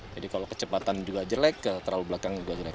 jadi kalau kecepatan juga jelek terlalu belakang juga jelek